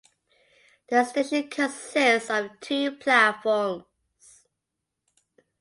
The station consists of two platforms.